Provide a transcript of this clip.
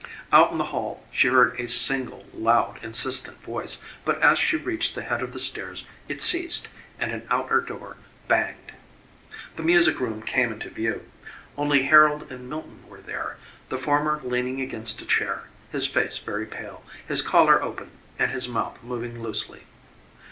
Out in the hall she heard a single loud, insistent voice, but as she reached the head of the stairs it ceased and an outer door banged. The music room came into view. Only Harold and Milton were there, the former leaning against a chair, his face very pale, his collar open, and his mouth moving loosely.